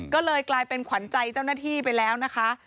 ก็เลยกลายเป็นขวัญใจเจ้าหน้าที่ไปแล้วนะคะ